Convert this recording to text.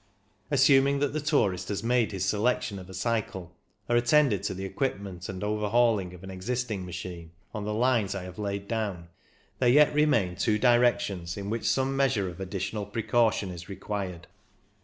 Assuming that the tourist has made his selection of a cycle, or attended to the equipment and overhauling of an existing machine, on the lines I have laid down, there yet remain two directions in which some measure of additional precaution is required.